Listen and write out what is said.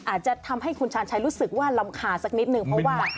อาจจะทำให้คุณชาญชัยรู้สึกว่ารำคาญสักนิดนึงเพราะว่า